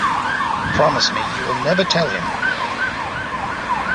Promise me you will never tell him.